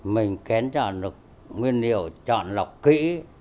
mình kén chọn được nguyên liệu chọn lọc kỹ